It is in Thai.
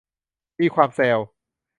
มีความแซว